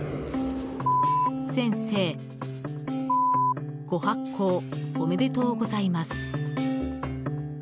「○○先生、○○ご発行おめでとうございます」。